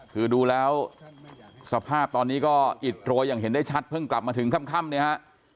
คือดูแล้วสภาพตอนนี้ก็อิดโรยอย่างเห็นได้ชัดเพิ่งกลับมาถึงค่ำเนี่ยฮะ